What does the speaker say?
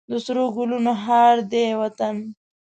د سرو ګلونو هار دی وطن.